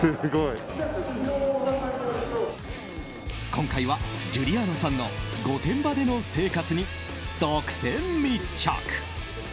今回は、ジュリアーノさんの御殿場での生活に独占密着。